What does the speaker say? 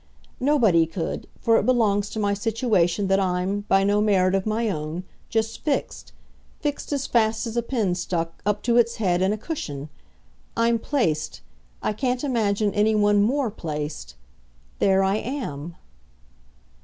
Nobody could, for it belongs to my situation that I'm, by no merit of my own, just fixed fixed as fast as a pin stuck, up to its head, in a cushion. I'm placed I can't imagine anyone MORE placed. There I AM!"